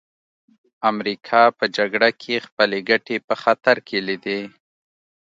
امریکا په جګړه کې خپلې ګټې په خطر کې لیدې